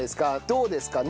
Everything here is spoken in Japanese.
どうですか？